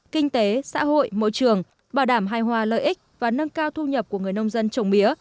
kinh tế xã hội môi trường bảo đảm hài hòa lợi ích và nâng cao thu nhập của người nông dân trồng mía